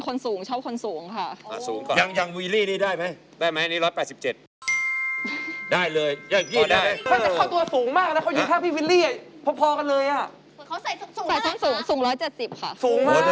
เขาใส่สักหนึ่ง